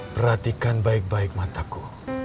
perhatikan baik baik mataku